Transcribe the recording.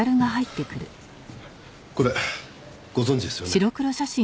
これご存じですよね？